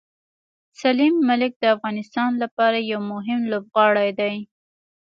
سلیم ملک د افغانستان لپاره یو مهم لوبغاړی دی.